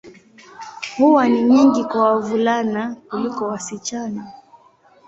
Huwa ni nyingi kwa wavulana kuliko wasichana.